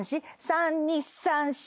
３・２・３・４。